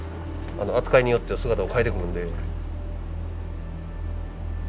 扱いによっては姿を変えてくるので。